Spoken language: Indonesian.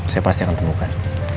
saya pasti akan temukan